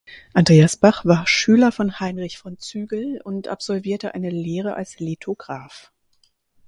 Andreas Bach war Schüler von Heinrich von Zügel und absolvierte eine Lehre als Lithograph.